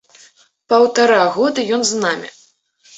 Паўтара года ён з намі.